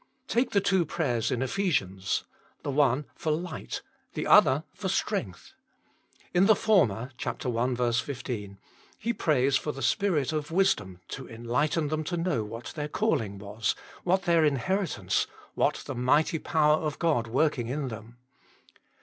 Take the two prayers in Ephesians the one for light, the other for strength. In the former (i. 15), he prays for the Spirit of wisdom to enlighten them to know what their calling was, what their in heritance, what the mighty power of God working in them.